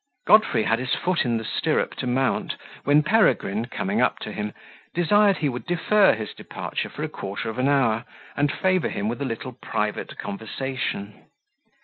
Godfrey had his foot in the stirrup to mount, when Peregrine, coming up to him, desired he would defer his departure for a quarter of an hour, and favour him with a little private conversation.